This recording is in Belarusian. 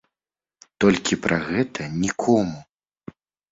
Толькі пра гэта нікому.